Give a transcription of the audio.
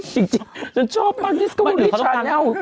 จริงฉันชอบมากดิสโกนดิชาแนล